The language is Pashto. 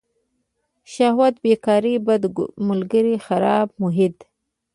شهوت بیکاري بد ملگري خرابه محیط.